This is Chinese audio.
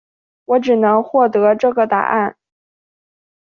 我只能获得这个答案